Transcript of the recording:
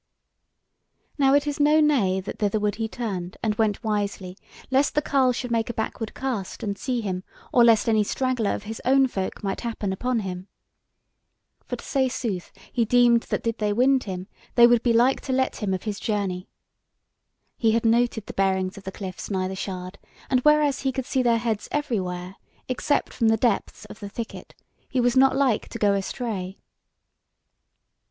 Now it is no nay that thitherward he turned, and went wisely, lest the carle should make a backward cast, and see him, or lest any straggler of his own folk might happen upon him. For to say sooth, he deemed that did they wind him, they would be like to let him of his journey. He had noted the bearings of the cliffs nigh the shard, and whereas he could see their heads everywhere except from the depths of the thicket, he was not like to go astray.